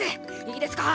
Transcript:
いいですか